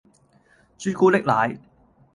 朱古力奶